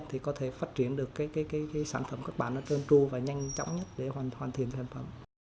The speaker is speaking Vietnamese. thì có thể phát triển được cái sản phẩm các bạn nó trơn tru và nhanh chóng nhất để hoàn thiện sản phẩm